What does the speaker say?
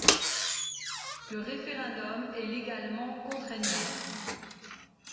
Le référendum est légalement contraignant.